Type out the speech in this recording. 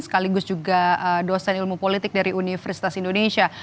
sekaligus juga dosen ilmu politik dari universitas indonesia